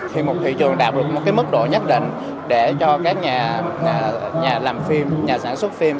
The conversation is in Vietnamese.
thì một thị trường đạt được một cái mức độ nhất định để cho các nhà làm phim nhà sản xuất phim